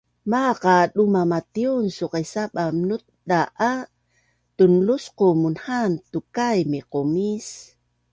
Maaq a duma matiun suqis saba nutda’ a tunlusqu munhaan tukai miqumis